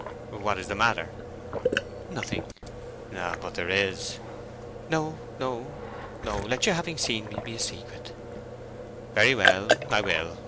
"What is the matter?" "Nothing." "But there is?" "No, no, no! Let your having seen me be a secret!" "Very well; I will.